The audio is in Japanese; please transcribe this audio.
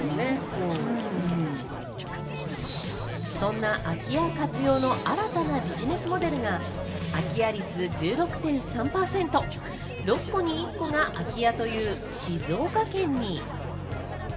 そんな空き家活用の新たなビジネスモデルが空き家率１６．３％、６戸に１戸が空き家という静岡県に。